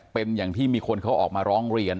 เป็นอย่างที่มีคนเขาออกมาร้องเรียน